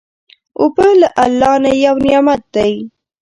اوبه له الله نه یو نعمت دی.